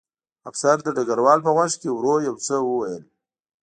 افسر د ډګروال په غوږ کې ورو یو څه وویل